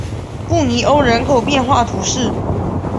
布尼欧人口变化图示